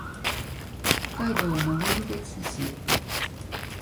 北海道登別市